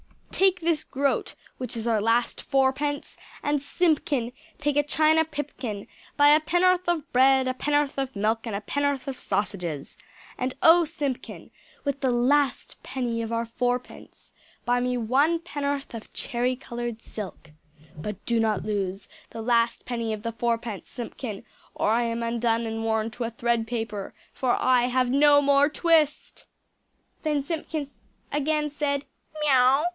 Take this groat (which is our last fourpence) and Simpkin, take a china pipkin; buy a penn'orth of bread, a penn'orth of milk and a penn'orth of sausages. And oh, Simpkin, with the last penny of our fourpence buy me one penn'orth of cherry coloured silk. But do not lose the last penny of the fourpence, Simpkin, or I am undone and worn to a thread paper, for I have NO MORE TWIST." Then Simpkin again said, "Miaw?"